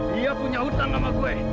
dia punya utang sama gue